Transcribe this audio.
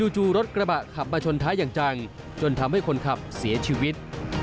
จู่รถกระบะขับมาชนท้ายอย่างจังจนทำให้คนขับเสียชีวิต